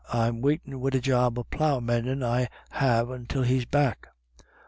I'm waitin' wid a job of plough mendin' I have until he's back."